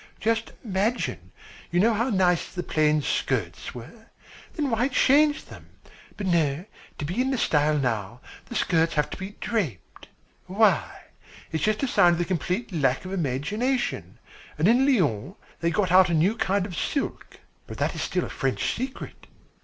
Just imagine, you know how nice the plain skirts were. Then why change them? But no, to be in style now, the skirts have to be draped. Why? It is just a sign of complete lack of imagination. And in Lyons they got out a new kind of silk but that is still a French secret."